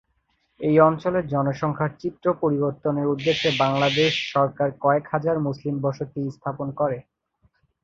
এই অঞ্চলের জনসংখ্যার চিত্র পরিবর্তনের উদ্দেশ্যে বাংলাদেশ সরকার কয়েক হাজার মুসলিম বসতি স্থাপন করে।